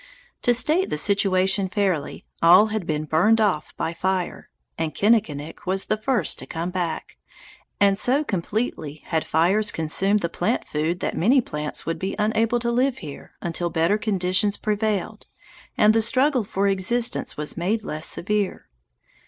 To state the situation fairly, all had been burned off by fire and Kinnikinick was the first to come back, and so completely had fires consumed the plant food that many plants would be unable to live here until better conditions prevailed and the struggle for existence was made less severe.